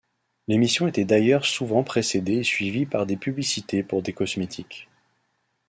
L'émission était d'ailleurs souvent précédée et suivie par des publicités pour des cosmétiques.